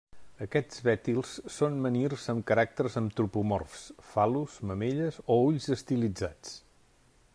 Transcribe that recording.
Aquests betils són menhirs amb caràcters antropomorfs: fal·lus, mamelles o ulls estilitzats.